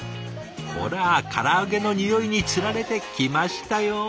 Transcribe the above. ほらから揚げのニオイにつられて来ましたよ。